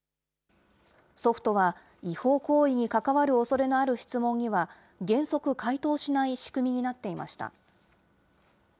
ソフトは違法行為に関わるおそれのある質問には、原則、回答しない仕組みになっていました。